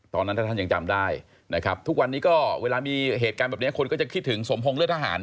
ตอนนั้นถ้าท่านยังจำได้นะครับทุกวันนี้ก็เวลามีเหตุการณ์แบบนี้คนก็จะคิดถึงสมพงษทหาร